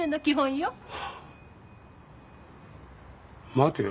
待てよ。